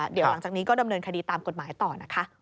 เดี๋ยวหลังจากนี้ก็ดำเนินคดีตามกฎหมายต่อนะคะ